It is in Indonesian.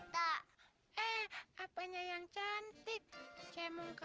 bedak yang cantik